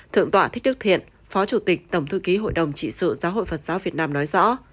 thượng tọa thích đức thiện phó chủ tịch tổng thư ký hội đồng trị sự giáo hội phật giáo việt nam nói rõ